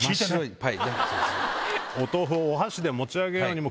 はい。